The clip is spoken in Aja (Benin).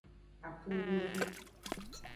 Akonggovi.